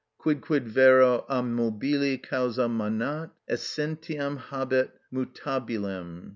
Quidquid vero a mobili causa manat, essentiam habet mutabilem.